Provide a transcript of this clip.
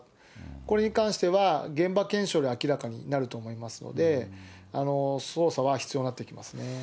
これに関しては、現場検証で明らかになると思いますので、捜査は必要になってきますね。